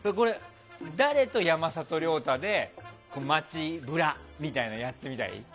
誰と山里亮太で街ブラみたいなのやってみたい？